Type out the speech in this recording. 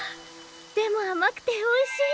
でもあまくておいしい！